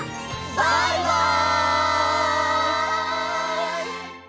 バイバイ！